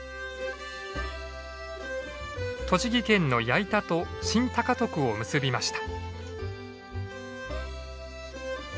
栃木県の矢板と新高徳を結びました。